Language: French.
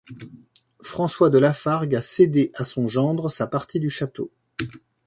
François de Laffargue a cédé à son gendre sa partie du château.